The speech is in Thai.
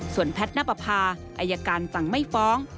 ส่วนแพทย์นับอภาอัยการจังไม่ฟ้อง